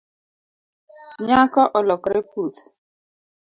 Nyako olokore puth